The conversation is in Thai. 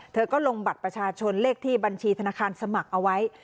เธอก็ลงบัตรประชาชนเลขที่บัญชีธนาคารสมัครเอาไว้